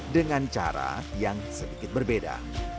dengan cara yang sedikit berbeda